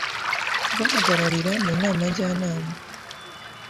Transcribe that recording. kubahagararira mu Nama Njyanama